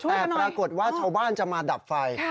แต่ปรากฏว่าชาวบ้านจะมาดับไฟ